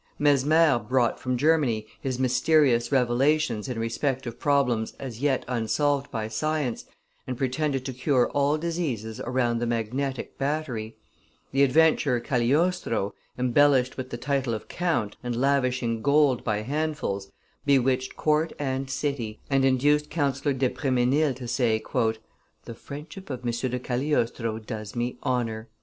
Mesmer brought from Germany his mysterious revelations in respect of problems as yet unsolved by science, and pretended to cure all diseases around the magnetic battery; the adventurer Cagliostro, embellished with the title of count, and lavishing gold by handfuls, bewitched court and city, and induced Councillor d'Epremesnil to say, "The friendship of M. de Cagliostro does me honor."